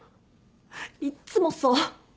いっつもそう。